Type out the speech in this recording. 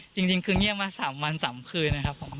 จริงคือเงียบมา๓วัน๓คืนนะครับผม